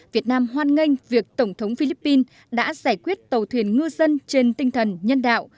việt nam hoan nghênh việc tổng thống philippines đã giải quyết tàu thuyền ngư dân trên tinh thần nhân đạo